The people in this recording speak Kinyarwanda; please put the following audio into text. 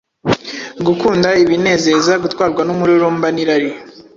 gukunda ibinezeza, gutwarwa n’umururumba n’irari